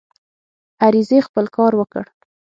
عریضې خپل کار وکړ.